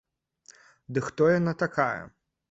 Ды хто яна такая?!